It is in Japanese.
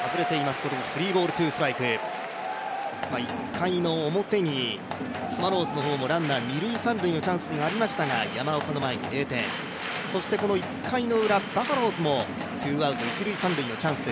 １回の表にスワローズもランナー二・三塁のチャンスもありましたが山岡の前に０点、そしてこの１回のウラ、バファローズもツーアウト、一・三塁のチャンス。